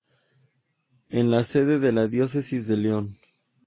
Es la sede de la Diócesis de León.